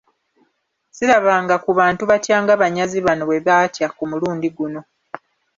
Sirabanga ku bantu batya nga banyazi bano bwe baatya ku mulundi guno.